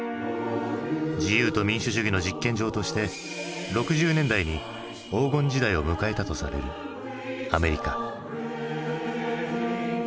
自由と民主主義の実験場として６０年代に黄金時代を迎えたとされるアメリカ。